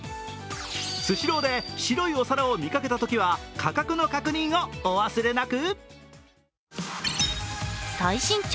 スシローで白いお皿を見かけたときは価格の確認をお忘れなく。